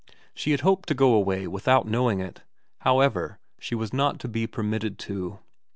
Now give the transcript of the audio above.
She had hoped to go away without knowing it. However, she was not to be permitted to.